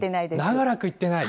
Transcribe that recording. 長らく行ってない？